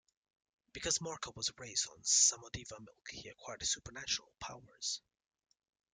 Because Marko was raised on samodiva milk he acquired supernatural powers.